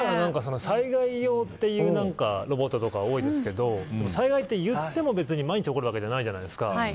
災害用というロボット多いですけど災害って、いっても毎日起こるわけじゃないじゃないですか。